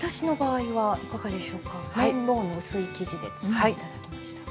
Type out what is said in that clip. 綿ローンの薄い生地で作って頂きました。